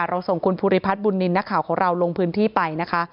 ส่งคุณภูริพัฒน์บุญนินทร์นักข่าวของเราลงพื้นที่ไปนะคะ